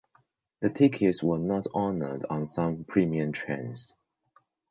The tickets were not honored on some premium trains.